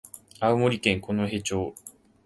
青森県五戸町